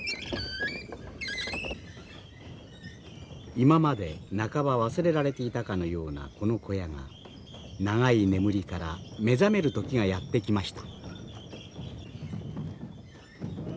今まで半ば忘れられていたかのようなこの小屋が長い眠りから目覚める時がやって来ました。